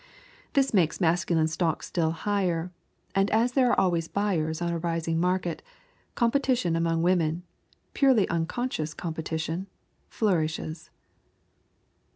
This makes masculine stock still higher, and as there are always buyers on a rising market, competition among women purely unconscious competition flourishes.